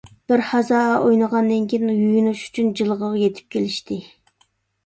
بىرھازا ئوينىغاندىن كېيىن، يۇيۇنۇش ئۈچۈن جىلغىغا يېتىپ كېلىشتى.